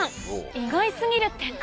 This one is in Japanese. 意外過ぎる展開？